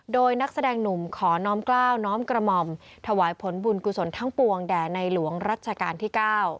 โดยนักแสดงหนุ่มขอน้อมกล้าวน้อมกระหม่อมถวายผลบุญกุศลทั้งปวงแด่ในหลวงรัชกาลที่๙